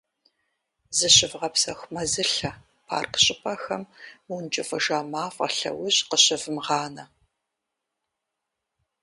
Зыщывгъэпсэху мэзылъэ, парк щӀыпӀэхэм мыункӀыфӀыжа мафӀэ лъэужь къыщывмыгъанэ.